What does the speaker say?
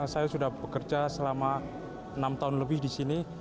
saya sudah bekerja selama enam tahun lebih di sini